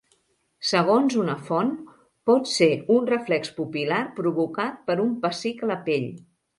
Segons una font, pot ser un reflex pupil·lar provocat per un pessic a la pell.